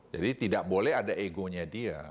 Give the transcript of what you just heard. jadi tidak boleh ada egonya dia